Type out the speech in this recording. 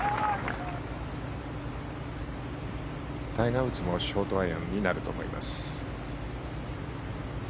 タイガー・ウッズもショートアイアンになると思います。